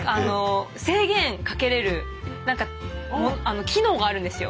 制限かけれる機能があるんですよ。